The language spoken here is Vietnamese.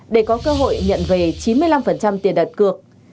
để có cơ hội nhận về chín mươi năm tiền đặt cược